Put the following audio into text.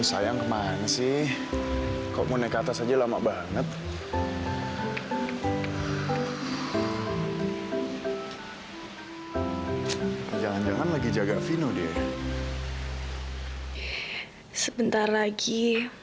siap siap saja hancurkan kebohonganmu sendiri